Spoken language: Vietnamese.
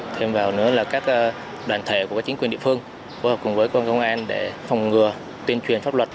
thêm vào nữa là các đoàn thể của các chính quyền địa phương phối hợp cùng với công an để phòng ngừa tuyên truyền pháp luật